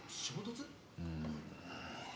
うん